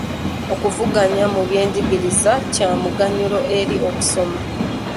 Okuvuganya mu byenjigiriza kya muganyulo eri okusoma.